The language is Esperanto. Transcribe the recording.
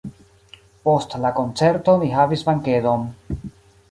Post la koncerto ni havis bankedon.